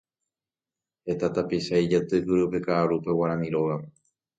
Heta tapicha ijatýkuri upe kaʼarúpe Guarani Rógape.